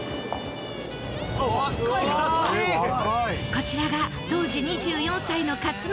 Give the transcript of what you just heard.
こちらが当時２４歳の克典さん。